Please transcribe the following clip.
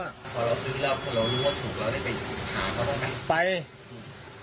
พอเราซื้อแล้วพอเรารู้ว่าถูกเราได้ไปหาเขาบ้างไหมไปอืม